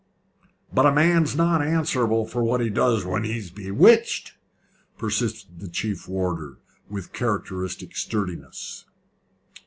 "But a man's not answerable for what he does when he's bewitched," persisted the chief warder, with characteristic sturdiness.